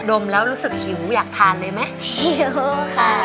ดมแล้วรู้สึกหิวอยากทานเลยไหม